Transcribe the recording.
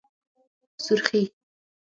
💄سورخي